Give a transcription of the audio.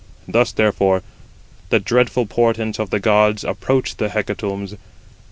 Thus, therefore, the dreadful portents of the gods approached the hecatombs.